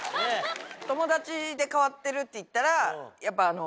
友達で変わってるっていったらやっぱあの。